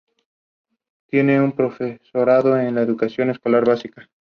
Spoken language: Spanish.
Jugó para el Club Deportivo Guadalajara y la Universidad de Guadalajara.